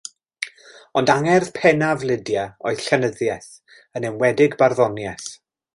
Ond angerdd pennaf Lydia oedd llenyddiaeth, yn enwedig barddoniaeth.